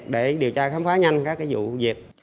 để điều tra khám phá nhanh các vụ diệt